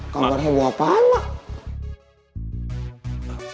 kabar heboh apaan mak